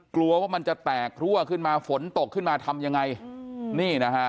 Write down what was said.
กลัวว่ามันจะแตกรั่วขึ้นมาฝนตกขึ้นมาทำยังไงนี่นะฮะ